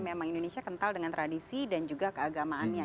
memang indonesia kental dengan tradisi dan juga keagamaannya